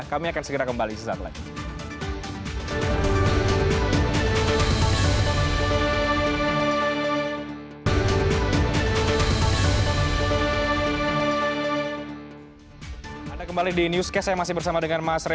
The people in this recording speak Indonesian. kami akan segera kembali sesaat lagi